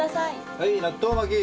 はい納豆巻き！